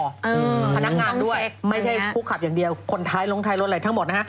พนักงานด้วยไม่ใช่ผู้ขับอย่างเดียวคนท้ายลงท้ายรถอะไรทั้งหมดนะฮะ